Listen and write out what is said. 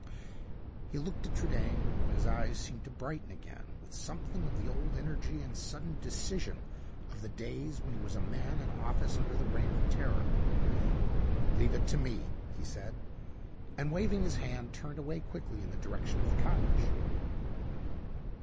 He looked at Trudaine, and his eyes seemed to brighten again with something of the old energy and sudden decision of the days when he was a man in office under the Reign of Terror. "Leave it to me," he said; and, waving his hand, turned away quickly in the direction of the cottage.